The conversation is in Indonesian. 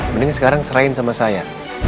mending sekarang serahin sama saya